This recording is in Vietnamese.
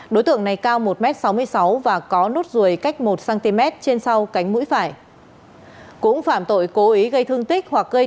đối tượng này cao một m sáu mươi sáu và có nốt ruồi cách một cm trên sau cánh mũi phải